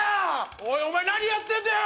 おいお前何やってんだよ！